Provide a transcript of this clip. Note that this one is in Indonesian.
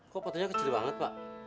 kok fotonya kecil banget pak